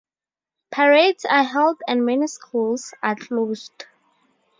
Parades are held and many schools are closed.